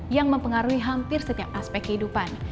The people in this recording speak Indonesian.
yang mempengaruhi hampir setiap aspek kehidupan